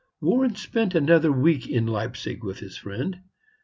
Warren spent another week in Leipzig with his friend.